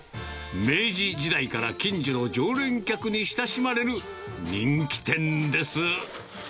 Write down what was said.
明治時代から近所の常連客に親しまれる人気店です。